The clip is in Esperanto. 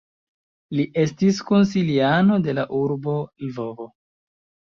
Li estis konsiliano de la urbo Lvovo.